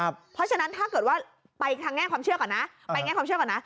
เพราะฉะนั้นถ้าเกิดว่าไปเอาง่ายความเชื่อก่อนนะ